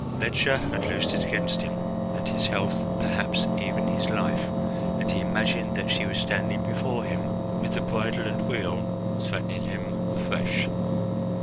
Ledscha had loosed it against him and his health, perhaps even his life, and he imagined that she was standing before him with the bridle and wheel, threatening him afresh.